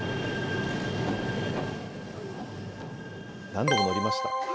何度も乗りました。